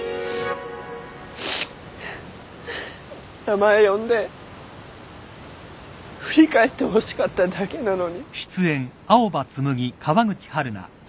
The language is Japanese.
名前呼んで振り返ってほしかっただけなのに。